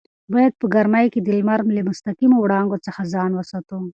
باید په ګرمۍ کې د لمر له مستقیمو وړانګو څخه ځان وساتو.